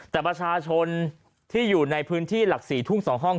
หรือที่อยู่ในพื้นที่หลักศรี๒ห้อง